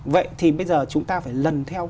vậy thì bây giờ chúng ta phải lần theo